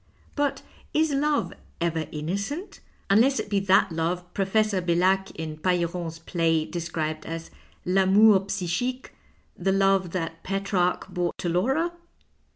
But is love ever innocent — unless it be that love Professor Bcllac in Pailleron's play de scribed as V amour psychique, the love that Petrarch bore to Laura